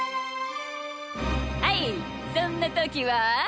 はいそんなときは？